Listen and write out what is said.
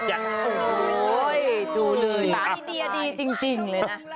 ตาที่เดียวดีจริงเลยนะ